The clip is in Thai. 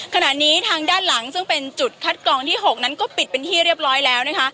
ขณะนี้ทางด้านหลังซึ่งเป็นจุดคัดกรองที่๖นั้นก็ปิดเป็นที่เรียบร้อยแล้วนะคะ